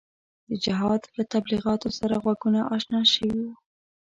د جهاد له تبلیغاتو سره غوږونه اشنا شوي وو.